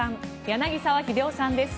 柳澤秀夫さんです。